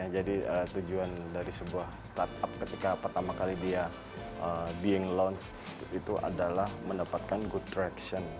jadi tujuan dari sebuah startup ketika pertama kali dia being launched itu adalah mendapatkan good traction